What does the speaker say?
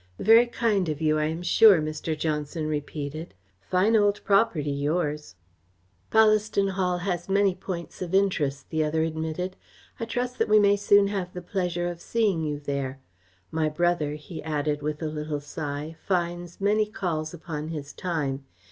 "Very kind of you, I am sure," Mr. Johnson repeated. "Fine old property, yours." "Ballaston Hall has many points of interest," the other admitted. "I trust that we may soon have the pleasure of seeing you there. My brother," he added, with a little sigh, "finds many calls upon his time.